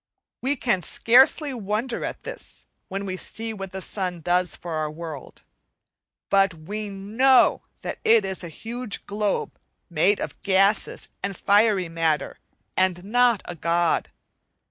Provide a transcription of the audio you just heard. We can scarcely wonder at this when we see what the sun does for our world; but we know that it is a huge globe made of gases and fiery matter and not a god.